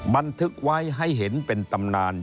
บันทึกไว้ให้เห็นเป็นตำนาน